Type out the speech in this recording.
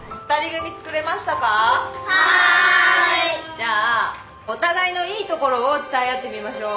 じゃあお互いのいいところを伝え合ってみましょう。